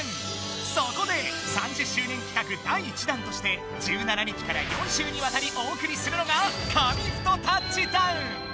そこで３０周年企画第１弾として１７日から４週にわたりお送りするのが「紙フトタッチダウン」。